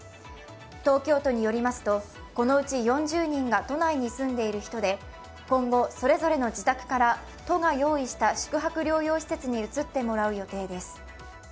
東京都によりますと、このうち４０人が都内に住んでいる人で今後、それぞれの自宅から都が用意した宿泊療養施設に移ってもらう予定です。